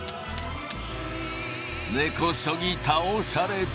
根こそぎ倒されて。